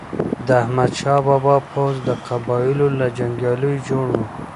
د احمد شاه بابا پوځ د قبایلو له جنګیالیو جوړ و.